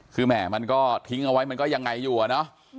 คือแหม่มันก็ทิ้งเอาไว้มันก็ยังไงอยู่อะเนาะ